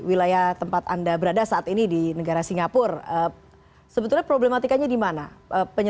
itu banyak orang takut dengan yang namanya